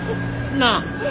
なあ。